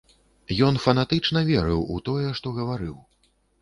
Ён фанатычна верыў у тое, што гаварыў.